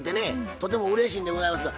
とてもうれしいんでございますが。